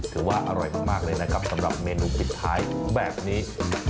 ถือว่าอร่อยมากเลยนะครับสำหรับเมนูปิดท้ายแบบนี้